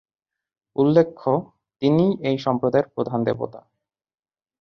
উল্লেখ্য, তিনিই এই সম্প্রদায়ের প্রধান দেবতা।